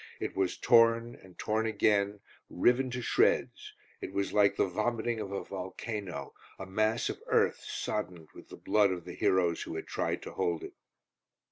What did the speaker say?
It was torn and torn again, riven to shreds. It was like the vomiting of a volcano, a mass of earth soddened with the blood of the heroes who had tried to hold it.